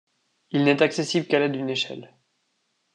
Il n'est accessible qu'à l'aide d'une échelle.